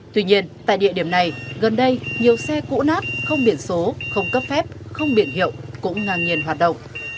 tuy nhiên tại địa điểm này gần đây nhiều xe cũ nát không biển số không cấp phép không biển hiệu cũng ngang nhiên hoạt động